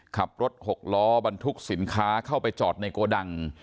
ขับรถหกล้อบรรทุกสินค้าเข้าไปจอดในโกดัง